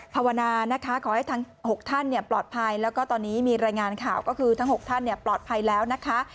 ภาวนานะคะขอให้ทั้ง๖ท่านปลอดภัยแล้วก็ตอนนี้มีรายงานข่าวก็คือทั้ง๖ท่านปลอดภัยแล้วนะคะ